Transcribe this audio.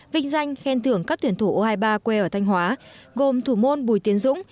vinh danh khen thưởng các tuyển thủ u hai mươi ba quê ở thanh hóa gồm thủ môn bùi tiến dũng